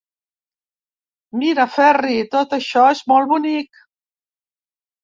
Mira, Ferri, tot això és molt bonic.